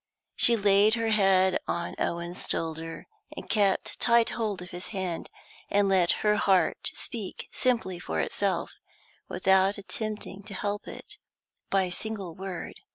She laid her head on Owen's shoulder, and kept tight hold of his hand, and let her heart speak simply for itself, without attempting to help it by a single word.